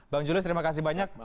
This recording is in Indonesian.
pak jules terima kasih banyak